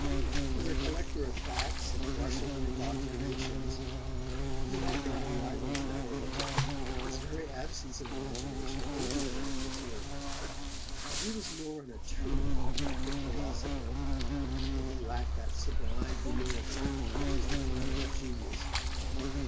As a collector of facts and marshaller of observations, he had not a rival in that age; his very absence of imagination aided him in this work. But he was more an attorney than philosopher, and he lacked that sublime humility which is the crown of genius.